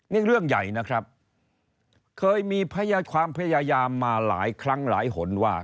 นี่เรื่องใหญ่นะครับเคยมีพยายามความพยายามมาหลายครั้งหลายหนว่า